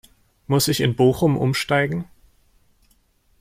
Muss ich in Bochum umsteigen?